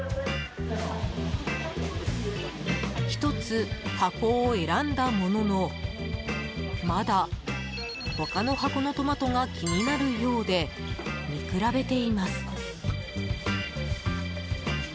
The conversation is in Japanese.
１つ箱を選んだもののまだ他の箱のトマトが気になるようで、見比べています。